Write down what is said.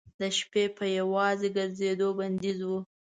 د شپې په یوازې ګرځېدو بندیز و.